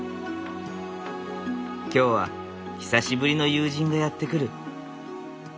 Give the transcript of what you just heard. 今日は久しぶりの友人がやって来る。